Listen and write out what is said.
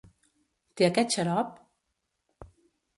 Té aquest xarop?